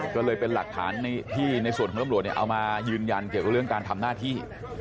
ก็เลยเป็นหลักฐานที่ในส่วนของตำรวจเอามายืนยันเกี่ยวกับเรื่องการทำหน้าที่